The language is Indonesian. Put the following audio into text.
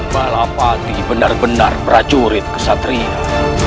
balapati benar benar prajurit kesatria